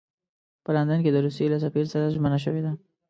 په لندن کې د روسیې له سفیر سره ژمنه شوې ده.